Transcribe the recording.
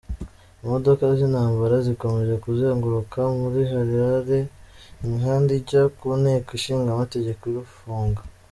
Imodoka z’intambara zakomeje kuzenguruka muri Harare, imihanda ijya ku Nteko Ishinga Amategeko irafungwa.